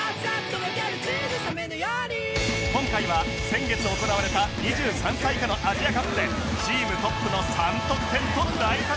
今回は先月行われた２３歳以下のアジアカップでチームトップの３得点と大活躍